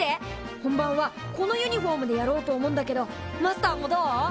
本番はこのユニフォームでやろうと思うんだけどマスターもどう？